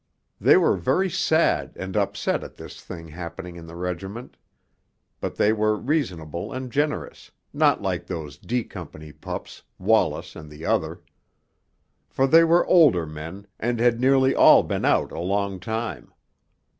They were very sad and upset at this thing happening in the regiment, but they were reasonable and generous, not like those D Company pups, Wallace and the other. For they were older men, and had nearly all been out a long time.